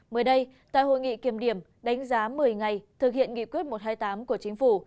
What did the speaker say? mới đây tại hội nghị kiểm điểm đánh giá một mươi ngày thực hiện nghị quyết một trăm hai mươi tám của chính phủ